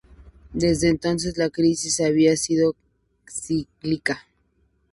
Desde entonces la crisis había sido cíclica.